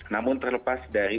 namun terlepas dari